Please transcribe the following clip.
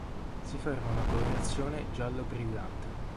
Si forma una colorazione giallo brillante.